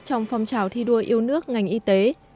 trong phong trào thi đua yêu nước ngành y tế